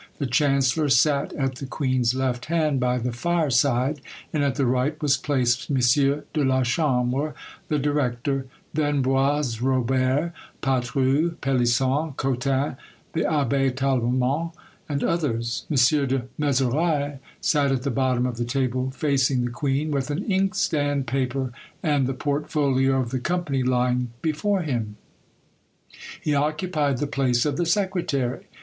The chancellor sat at the queen's left hand by the fire side; and at the right was placed M. de la Chambre, the director; then Boisrobert, Patru, Pelisson, Cotin, the Abbé Tallemant, and others. M. de Mezeray sat at the bottom of the table facing the queen, with an inkstand, paper, and the portfolio of the company lying before him: he occupied the place of the secretary.